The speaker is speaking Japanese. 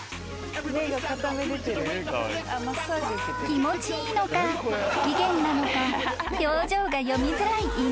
［気持ちいいのか不機嫌なのか表情が読みづらい犬］